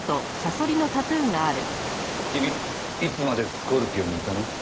君いつまでスコルピオにいたの？